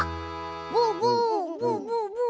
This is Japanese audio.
ブーブーブーブー。